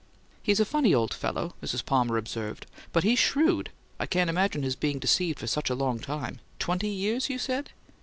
"He's a funny old fellow," Mrs. Palmer observed. "But he's so shrewd I can't imagine his being deceived for such a long time. Twenty years, you said?"